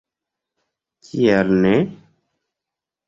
Kial ne?!